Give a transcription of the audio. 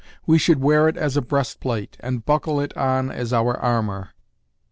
We should wear it as a breastplate, and buckle it on as our armour.